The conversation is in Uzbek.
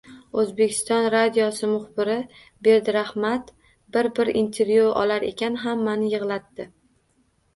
O’zbekiston radiosi muxbiri Berdirahmat bir-bir intervyu olar ekan hammani yig’latdi.